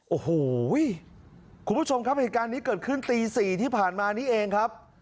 โอ้โหคุณผู้ชมครับเหตุการณ์นี้เกิดขึ้นตี๔ที่ผ่านมานี้เองครับ